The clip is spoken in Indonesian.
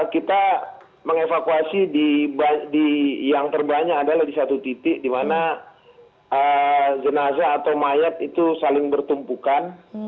kita mengevakuasi yang terbanyak adalah di satu titik di mana jenazah atau mayat itu saling bertumpukan